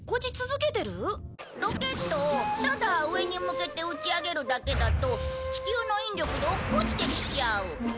ロケットをただ上に向けて打ち上げるだけだと地球の引力で落っこちてきちゃう。